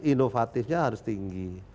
inovatifnya harus tinggi